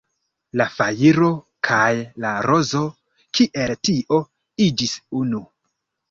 La fajro kaj la rozo, kiel tio, iĝis unu.